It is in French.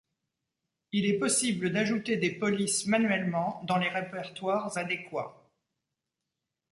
Il est possible d'ajouter des polices manuellement dans les répertoires adéquats.